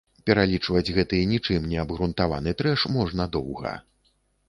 Пералічваць гэты нічым не абгрунтаваны трэш можна доўга.